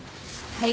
はい。